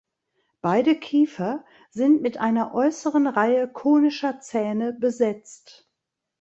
Beide Kiefer sind mit einer äußeren Reihe konischer Zähne besetzt.